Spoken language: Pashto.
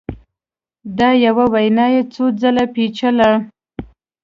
دا یوه وینا یې څو ځله پېچله